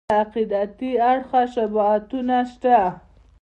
له عقیدتي اړخه مشابهتونه شته.